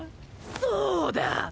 そうだ！